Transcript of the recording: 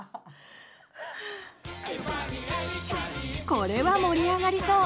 これは盛り上がりそう！